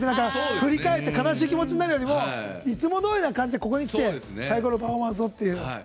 振り返って悲しい気持ちになるよりいつもどおりな感じでここにきて最高のパフォーマンスをという。